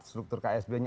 struktur ksb nya